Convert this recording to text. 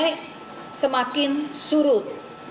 naik semakin surut